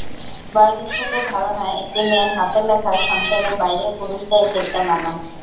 বয়োজ্যেষ্ঠদের ধারণা, একটি মেয়ের হাতের লেখা সংসারের বাইরের পুরুষদের দেখতে মানা।